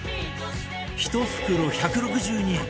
１袋１６２円！